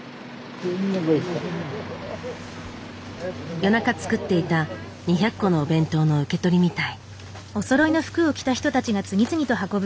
夜中作っていた２００個のお弁当の受け取りみたい。